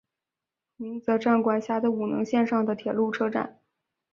鸣泽站管辖的五能线上的铁路车站。